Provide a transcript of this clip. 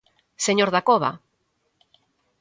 ¡Señor Dacova!